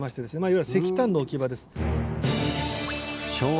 いわゆる石炭の置き場です。